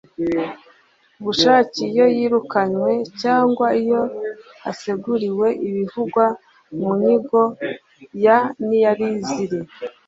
bushake iyo yirukanywe cyangwa iyo haseguriwe ibivugwa mu ngingo ya n iya z iri